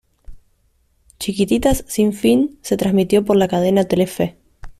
Chiquititas sin fin, se transmitió por la cadena Telefe.